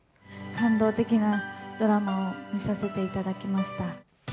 感動的なドラマを見させていただきました。